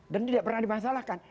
dan tidak pernah dimasalahkan